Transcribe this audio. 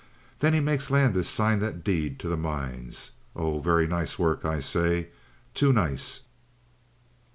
Then he makes Landis sign that deed to the mines. Oh, very nice work, I say. Too nice.